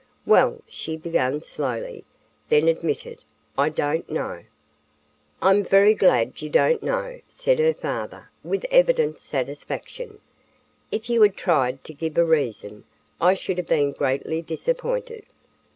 "Well," she began slowly, then admitted: "I don't know." "I'm very glad you don't know," said her father with evident satisfaction. "If you had tried to give a reason, I should have been greatly disappointed.